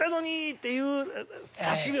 っていう。